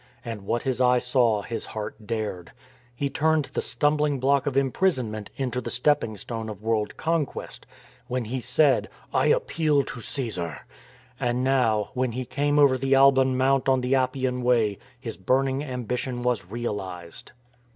And what his eye saw his heart dared. He turned the \ stumbling block of imprisonment into the stepping \ stone of world conquest when he said, " I appeal to i 346 FINISHING THE COURSE Caesar." And now, when he came over the Alban Mount on the Appian Way, his burning ambition was realised.